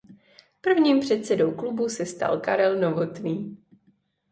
Prvním předsedou klubu se stal Karel Novotný.